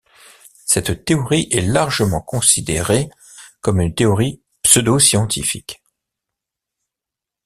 Cette théorie est largement considérait comme une théorie pseudoscientifique.